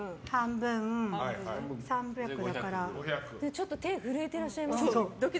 ちょっと手が震えていらっしゃいますね。